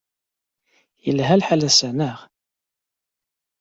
Yelha lḥal ass-a, naɣ?